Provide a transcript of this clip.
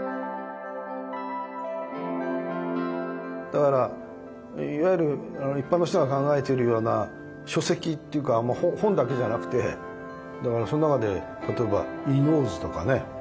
だからいわゆる一般の人が考えてるような書籍っていうか本だけじゃなくてだからその中で例えば「伊能図」とかね。